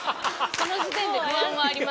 その時点で不安はあります。